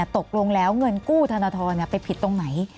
ตกลงแล้วเงินกู้ธนทรไปผิดตรงไหน